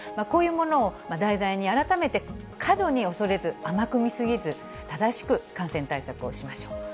こういうものを題材に、改めて過度に恐れず、甘く見過ぎず、正しく感染対策をしましょう。